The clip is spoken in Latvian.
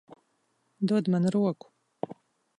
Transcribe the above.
Dod man roku.